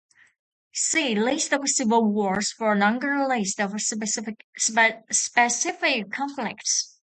See List of civil wars for a longer list of specific conflicts.